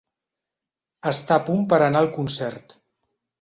Està a punt per anar al concert.